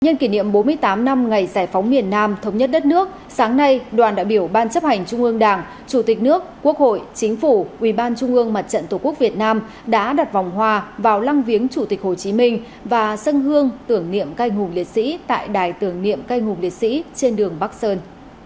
nhân kỷ niệm bốn mươi tám năm ngày giải phóng miền nam thống nhất đất nước sáng nay đoàn đại biểu ban chấp hành trung ương đảng chủ tịch nước quốc hội chính phủ ubnd tổ quốc việt nam đã đặt vòng hoa vào lăng viếng chủ tịch hồ chí minh và dân hương tưởng niệm canh hùng liệt sĩ tại đài tưởng niệm canh hùng liệt sĩ trên đường bắc sơn